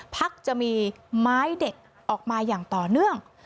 พักจะมีไม้เด็ดออกมาอย่างต่อเนื่อง